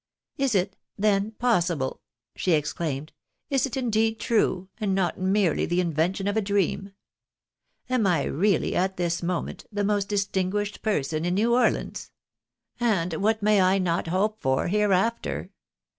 "Is it, then, possible?" she exclaimed ;" is it indeed true, and not merely the invention of a dream ? Am I really at this moment the most distinguished person in New Orleans ? And what may I not hope for hereafter